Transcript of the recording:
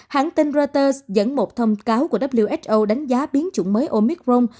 hãng tin reuters dẫn một thông cáo của who đánh giá biến chủng mới omicron